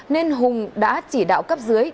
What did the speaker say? nên hùng đã chỉ đạo cấp dưới